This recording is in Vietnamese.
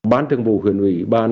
bán thường vụ huyện ủy ban